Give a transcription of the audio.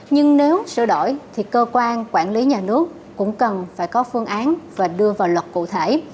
nhưng nếu sửa đổi thì cơ quan quản lý nhà nước cũng cần phải có phương án và đưa vào luật cụ thể